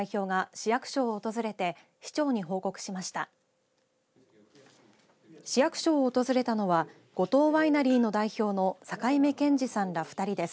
市役所を訪れたのは五島ワイナリーの代表の境目権二さんら２人です。